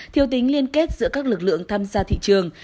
thiếu tính liên kết giữa các lực lượng tham gia thị trường